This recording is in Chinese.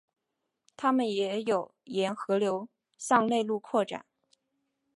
它们也有沿河流向内陆扩展。